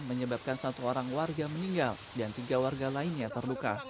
menyebabkan satu orang warga meninggal dan tiga warga lainnya terluka